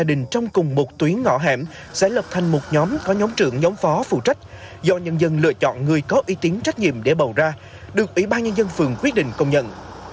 đình trong cùng một tuyến ngõ hẻm sẽ lập thành một nhóm có nhóm trưởng nhóm phó phụ trách do nhân dân lựa chọn người có uy tín trách nhiệm để bầu ra được ủy ban nhân dân phường quyết định công nhận